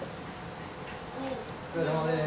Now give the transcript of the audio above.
お疲れさまです。